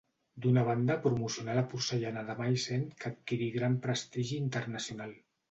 D'una banda promocionar la porcellana de Meissen que adquirí gran prestigi internacional.